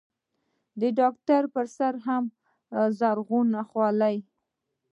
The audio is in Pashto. د ډاکتر پر سر هم زرغونه خولۍ.